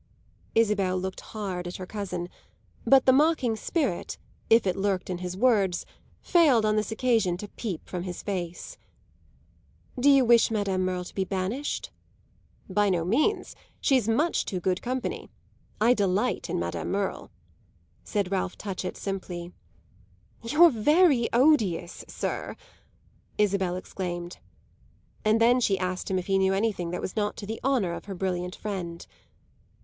Isabel looked hard at her cousin; but the mocking spirit, if it lurked in his words, failed on this occasion to peep from his face. "Do you wish Madame Merle to be banished?" "By no means. She's much too good company. I delight in Madame Merle," said Ralph Touchett simply. "You're very odious, sir!" Isabel exclaimed. And then she asked him if he knew anything that was not to the honour of her brilliant friend.